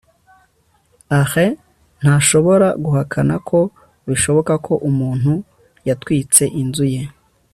alain ntashobora guhakana ko bishoboka ko umuntu yatwitse inzu ye